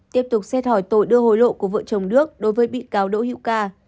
tiếp tục xét hỏi tội đưa hối lộ của vợ chồng đức đối với bị cáo đỗ hữu ca